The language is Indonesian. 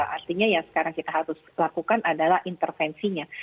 artinya yang sekarang kita harus lakukan adalah intervensinya